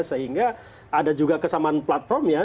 sehingga ada juga kesamaan platform ya